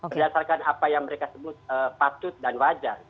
berdasarkan apa yang mereka sebut patut dan wajar